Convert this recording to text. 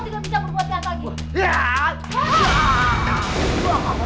kalau bisa aku patahkan sekalian tanganmu